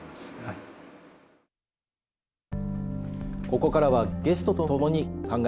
ここからはゲストと共に考えていきます。